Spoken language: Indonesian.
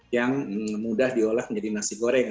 yang mudah diolah menjadi nasi goreng